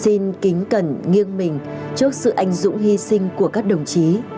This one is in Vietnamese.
xin kính cẩn nghiêng mình trước sự anh dũng hy sinh của các đồng chí